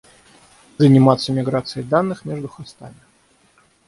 Заниматься миграцией данных между хостами